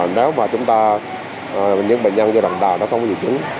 nếu mà chúng ta những bệnh nhân do đoạn đào nó không có triệu chứng